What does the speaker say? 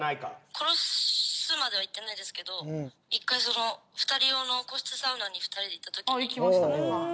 「殺すまではいってないですけど１回２人用の個室サウナに２人で行った時に」あっ行きましたねはい。